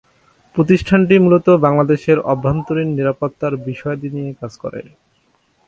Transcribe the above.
প্রতিষ্ঠানটি মূলত বাংলাদেশের অভ্যন্তরীণ নিরাপত্তার বিষয়াদি নিয়ে কাজ করে।